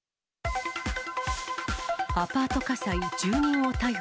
アパート火災、住人を逮捕。